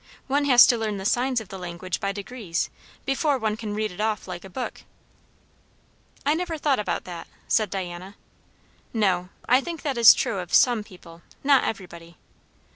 One has to learn the signs of the language by degrees, before one can read it off like a book." "I never thought about that," said Diana. "No; I think that is true of some people; not everybody.